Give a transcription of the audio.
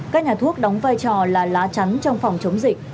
các nhà thuốc đóng vai trò là lá chắn trong phòng chống dịch